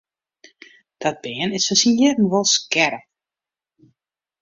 Dat bern is foar syn jierren wol skerp.